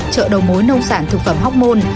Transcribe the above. chợ đầu mối nông sản thực phẩm hóc môn